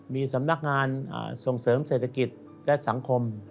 มีสำนักงานส่งเสริมเศรษฐกิจและสังคม